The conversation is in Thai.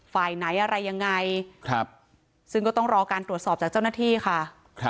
ฝ่ายไหนอะไรยังไงซึ่งก็ต้องรอการตรวจสอบจากเจ้าหน้าที่ค่ะ